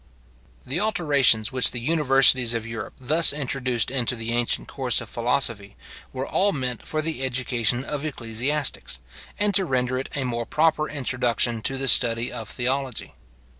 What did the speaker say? The alterations which the universities of Europe thus introduced into the ancient course of philosophy were all meant for the education of ecclesiastics, and to render it a more proper introduction to the study of theology.